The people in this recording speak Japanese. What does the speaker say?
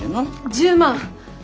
１０万